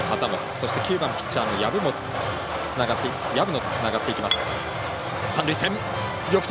そして９番ピッチャーの薮野とつながっていきます。